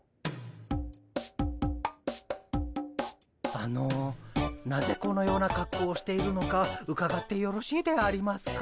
あのなぜこのようなかっこうをしているのかうかがってよろしいでありますか？